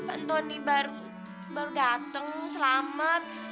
antoni baru dateng selamat